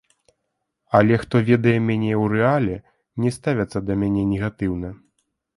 Але хто ведае мяне ў рэале, не ставяцца да мяне негатыўна.